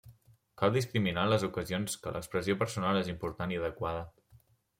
Cal discriminar les ocasions que l'expressió personal és important i adequada.